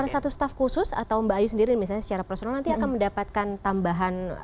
satu staff khusus atau mbak ayu sendiri misalnya secara personal nanti akan mendapatkan tambahan